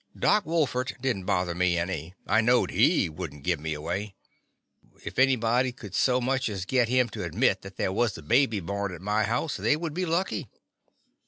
Doc Wolfert did n't bother me any. I knowed he would n't give me away. The Confessions of a Daddy If anybody could so much as git him to admit that there was a baby born at my house they would be lucky.